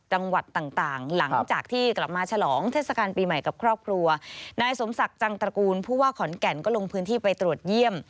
จังหวัดต่างต่างหลังจากที่กลับมาฉลองเทศกาลปีใหม่กับครอบครัวนายสมศักดิ์จังตระกูลผู้ว่าขอนแก่นก็ลงพื้นที่ไปตรวจเยี่ยม